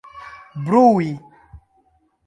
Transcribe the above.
brui